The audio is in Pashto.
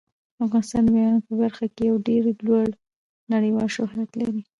افغانستان د بامیان په برخه کې یو ډیر لوړ نړیوال شهرت لري.